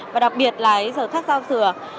và đặc biệt là cái giờ khắc giao thừa